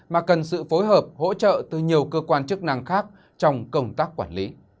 mà cần sự phối hợp hỗ trợ từ nhiều cơ quan chức năng khác trong công tác quản lý